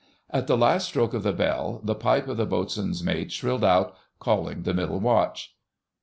At the last stroke of the bell the pipe of the Boatswain's Mate shrilled out, calling the Middle Watch.